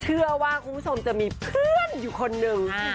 เชื่อว่าคุณผู้ชมจะมีเพื่อนอยู่คนหนึ่ง